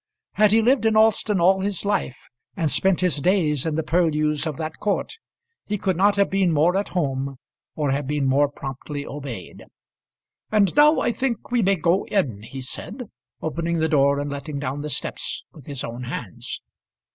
Had he lived in Alston all his life, and spent his days in the purlieus of that court, he could not have been more at home or have been more promptly obeyed. "And now I think we may go in," he said, opening the door and letting down the steps with his own hands.